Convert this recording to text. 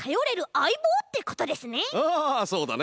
ああそうだね！